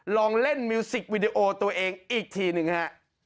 ลองเล่นมิวสิกวิดีโอตัวเองอีกทีหนึ่งฮะ